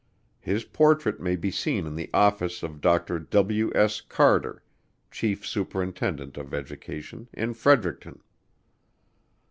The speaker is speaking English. His portrait may be seen in the office of Dr. W. S. Carter, Chief Superintendent of Education, in Fredericton.